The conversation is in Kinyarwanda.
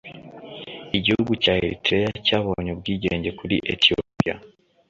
Igihugu cya Eritrea cyabonye ubwigenge kuri Ethiopia